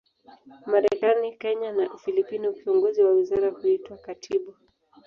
Marekani, Kenya na Ufilipino, kiongozi wa wizara huitwa katibu.